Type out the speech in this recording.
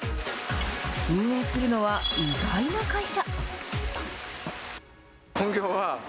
運営するのは、意外な会社。